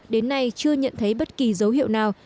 đến nay chưa nhận thấy bất kỳ dấu hiệu nào